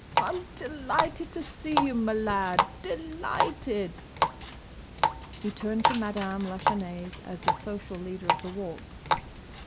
"I'm delighted to see you, my lad!—De lighted!" He turned to Madame Lachesnais as the social leader of the Walk.